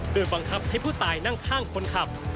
โดยบังคับให้ผู้ตายนั่งข้างคนขับ